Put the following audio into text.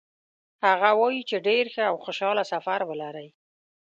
هغه وایي چې ډېر ښه او خوشحاله سفر ولرئ.